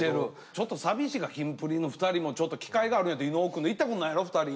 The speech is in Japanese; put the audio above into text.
ちょっと寂しいからキンプリの２人も機会があるんやったら伊野尾くん行ったことないやろ２人。